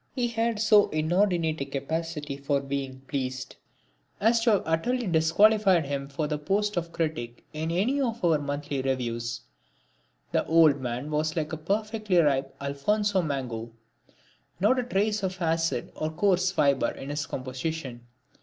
He had so inordinate a capacity for being pleased as to have utterly disqualified him for the post of critic in any of our monthly Reviews. The old man was like a perfectly ripe Alfonso mango not a trace of acid or coarse fibre in his composition.